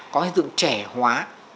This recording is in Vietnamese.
có hình dung trẻ hóa